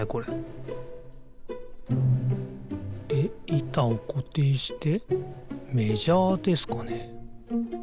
いたをこていしてメジャーですかね？